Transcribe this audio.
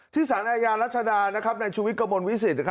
ที่ศาลินาญาณรัชดาในชุวิตกำบลวิสิทธิ์